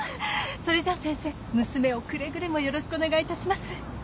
それじゃ先生娘をくれぐれもよろしくお願いいたします。